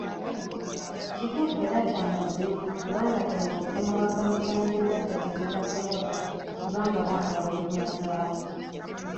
Kituufu era ky'amazima kubanga kyemuvudde muwakankula n'endwadde zemutasobola kubanga mwagala okumazaawo